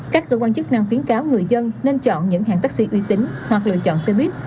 các cơ quan chức năng khuyến cáo người dân nên chọn những hãng taxi uy tín hoặc lựa chọn xe buýt